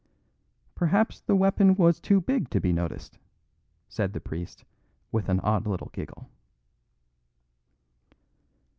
"Perhaps the weapon was too big to be noticed," said the priest, with an odd little giggle.